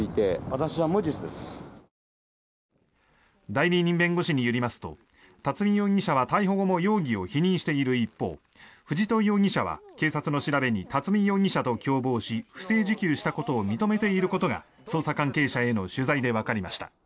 代理人弁護士によりますと巽容疑者は逮捕後も容疑を否認している一方藤戸容疑者は警察の調べに巽容疑者と共謀し不正受給したことを認めていることが捜査関係者への取材でわかりました。